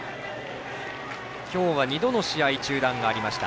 今日は２度の試合中断がありました。